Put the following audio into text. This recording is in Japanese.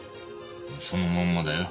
そのまんまだよ。